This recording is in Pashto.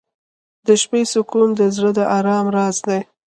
• د شپې سکون د زړه د ارام راز دی.